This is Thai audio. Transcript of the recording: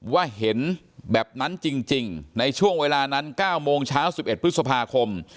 ว่าเห็นแบบนั้นจริงในช่วงเวลานั้น๙โมงเช้า๑๑พฤษภาคม